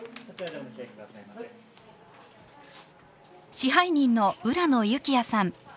支配人の浦野友紀也さん。